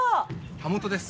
田元です。